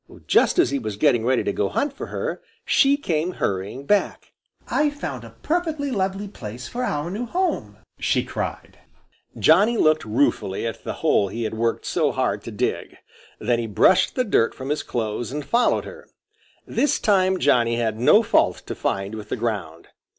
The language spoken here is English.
Just as he was getting ready to go hunt for her, she came hurrying back. {Illustration: If Polly wanted to live there she should} "I've found a perfectly lovely place for our new home!" she cried. Johnny looked ruefully at the hole he had worked so hard to dig; then he brushed the dirt from his clothes and followed her. This time Johnny had no fault to find with the ground.